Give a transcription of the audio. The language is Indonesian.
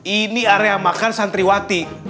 ini area makan santriwati